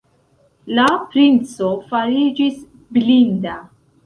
La princo fariĝis blinda.